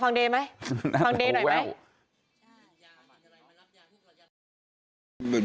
ฟังเด๊หน่อยไหมนั่นแหละหูแว่วนั่นแหละหูแว่ว